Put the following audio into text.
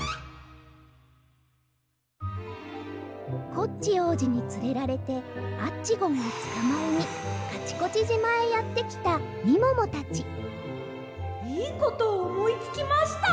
コッチおうじにつれられて「アッチゴン」をつかまえにカチコチじまへやってきたみももたちいいことをおもいつきました！